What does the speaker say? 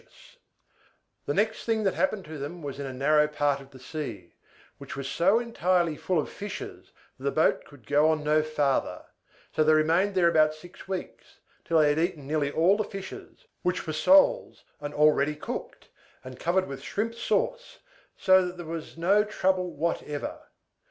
The next thing that happened to them was in a narrow part of the sea, which was so entirely full of fishes that the boat could go on no farther: so they remained there about six weeks, till they had eaten nearly all the fishes, which were soles, and all ready cooked, and covered with shrimp sauce, so that there was no trouble whatever.